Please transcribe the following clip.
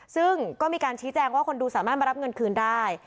ซึ่งก็มีการชี้แจงว่าคนดูสามารถมารับเงินคืนได้